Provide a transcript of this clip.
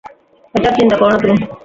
এটার চিন্তা করো না তুমি?